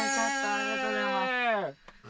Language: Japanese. ありがとうございます。